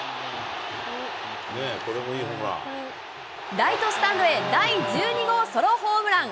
ライトスタンドへ、第１２号ソロホームラン。